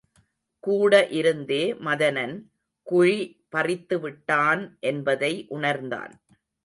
கூட இருந்தே மதனன் குழிபறித்து விட்டான் என்பதை உணர்ந்தான்.